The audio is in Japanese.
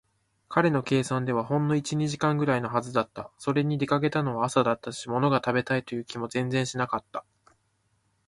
彼の計算ではほんの一、二時間ぐらいのはずだった。それに、出かけたのは朝だったし、ものが食べたいという気も全然しなかった。